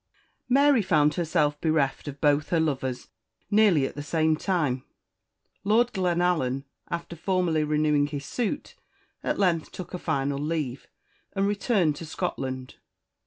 _ MARY found herself bereft of both her lovers nearly at the same time. Lord Glenallan, after formally renewing his suit, at length took a final leave, and returned to Scotland.